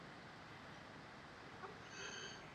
ჯეიმზი ლონდონში, გადამდგარი ოფიცრის ოჯახში დაიბადა.